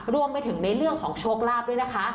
รวมไปถึงในเรื่องของโชคลาภด้วยนะคะ